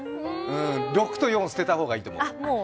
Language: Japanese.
６と４捨てた方がいいと思う。